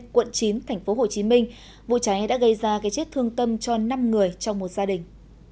quận chín tp hcm vụ cháy đã gây ra cái chết thương tâm cho năm người trong một gia đình